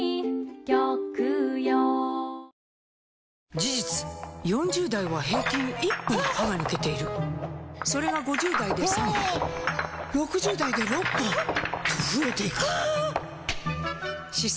事実４０代は平均１本歯が抜けているそれが５０代で３本６０代で６本と増えていく歯槽